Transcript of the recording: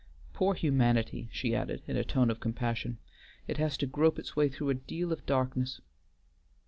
Poor humanity," she added in a tone of compassion. "It has to grope its way through a deal of darkness."